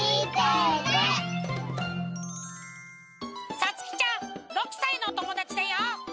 さつきちゃん６さいのおともだちだよ。